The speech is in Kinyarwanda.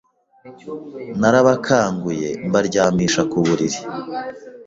Narabakanguye mbaryamisha kuburiri